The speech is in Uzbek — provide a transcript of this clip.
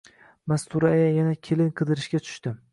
Mastura aya yana kelin qidirishga tushdi